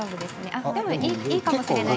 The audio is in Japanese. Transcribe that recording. あでもいいかもしれない。